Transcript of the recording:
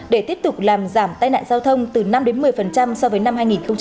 để tiếp tục làm giảm tai nạn giao thông từ năm một mươi so với năm hai nghìn một mươi tám